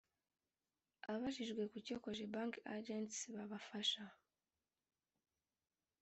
Abajijwe kucyo Cogebanque Agents babafasha